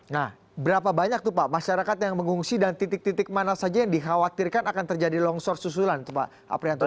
nah berapa banyak tuh pak masyarakat yang mengungsi dan titik titik mana saja yang dikhawatirkan akan terjadi longsor susulan tuh pak aprianto